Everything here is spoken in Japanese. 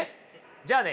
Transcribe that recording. じゃあね